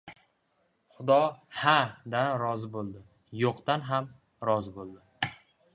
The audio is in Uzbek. • Xudo “ha” dan rozi bo‘ldi, “yo‘q”dan ham rozi bo‘ldi.